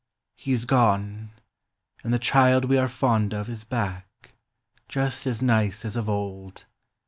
He's gone, and the child we are fond of Is back, just as nice as of old.